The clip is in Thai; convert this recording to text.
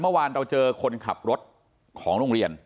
เมื่อวานเราเจอคนขับรถของโรงเรียน